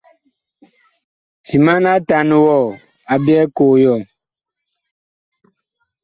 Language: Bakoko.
Timan atan wɔ a byɛɛ koo yɔɔ.